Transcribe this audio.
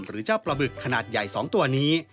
หรือเจ้าปลาบึกขนาดใหญ่๒ตัวนี้